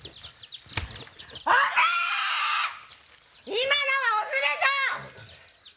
今のはオスでしょ！